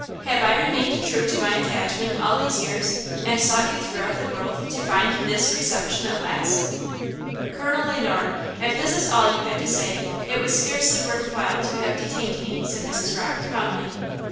Have I remained true to my attachment all these years and sought you throughout the world to find this reception at last?" "Colonel Le Noir, if this is all you had to say, it was scarcely worth while to have detained me," said Mrs. Rocke calmly.